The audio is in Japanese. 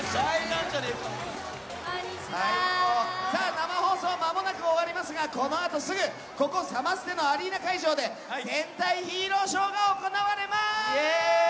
生放送まもなく終わりますがこのあとすぐここ、サマステのアリーナ会場で戦隊ヒーローショーが行われます！